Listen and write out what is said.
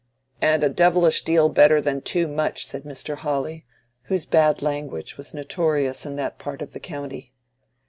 "And a devilish deal better than too much," said Mr. Hawley, whose bad language was notorious in that part of the county.